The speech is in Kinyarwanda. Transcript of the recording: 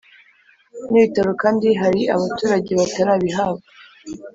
N ibitaro kandi hari abaturage batarabihabwa